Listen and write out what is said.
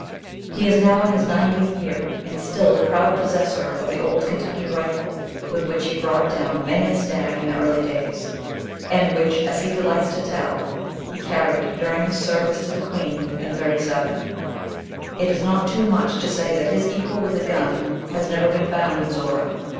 He is now in his ninetieth year, and still the proud possessor of the old Kentucky rifle with which he brought down many a stag in the early days, and which, as he delights to tell, he carried during his service to the Queen in '37. It is not too much to say that his equal with the gun has never been found in Zorra.